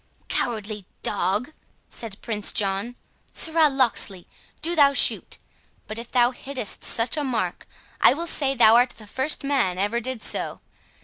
"Cowardly dog!" said Prince John.—"Sirrah Locksley, do thou shoot; but, if thou hittest such a mark, I will say thou art the first man ever did so.